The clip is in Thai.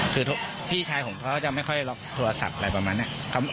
คือพี่ชายของเขาจะไม่ค่อยล็อกโทรศัพท์อะไรประมาณนี้